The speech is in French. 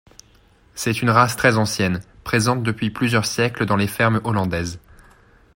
C'est une race très ancienne, présente depuis plusieurs siècles dans les fermes hollandaises.